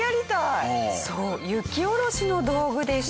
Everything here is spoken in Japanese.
そう雪下ろしの道具でした。